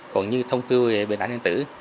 còn như thông tư về bệnh án nhân tử